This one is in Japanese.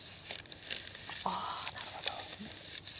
あなるほど。